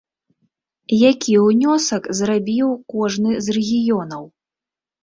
Які ўнёсак зрабіў кожны з рэгіёнаў?